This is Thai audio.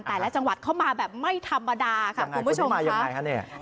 แต่ละจังหวัดเข้ามาแบบไม่ธรรมดาค่ะคุณผู้ชมครับ